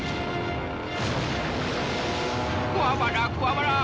くわばらくわばら！